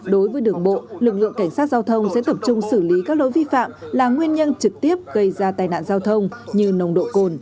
đối với đường bộ lực lượng cảnh sát giao thông sẽ tập trung xử lý các lỗi vi phạm là nguyên nhân trực tiếp gây ra tai nạn giao thông như nồng độ cồn